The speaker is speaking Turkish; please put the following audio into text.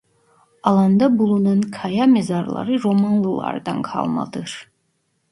Alanda bulunan kaya mezarları Romalılardan kalmadır.